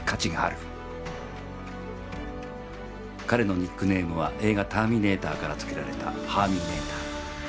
彼のニックネームは映画「ターミネーター」から付けられたハーミネーター。